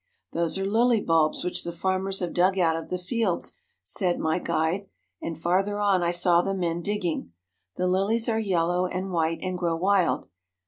"Those are lily bulbs which the farmers have dug out of the fields," said my guide, and farther on I saw the men dig ging. The lilies are yellow and white and grow wild.